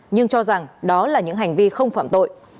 nhưng cho rằng đó là những hành vi không phạm tội